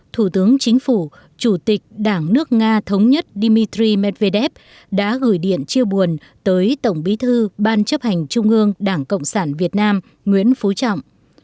thủ tướng chính phủ chủ tịch đảng nước nga thống nhất dmitry medvedev đã gửi điện chia buồn tới tổng bí thư ban chấp hành trung ương đảng cộng sản việt nam nguyễn phú trọng